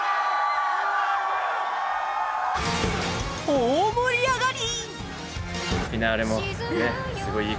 大盛り上がり！